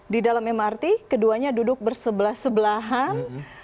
di dalam mrt keduanya duduk bersebelah sebelahan